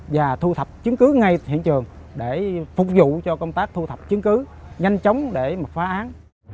và thu thập chứng cứ ngay hiện trường để phục vụ cho công tác thu thập chứng cứ nhanh chóng để mà phá án